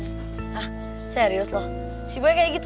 hah serius lo si boy kayak gitu